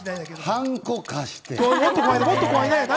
ハンコ貸して。